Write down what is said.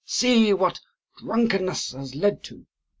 See what drunkenness has led to!